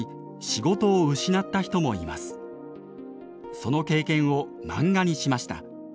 その経験を漫画にしました。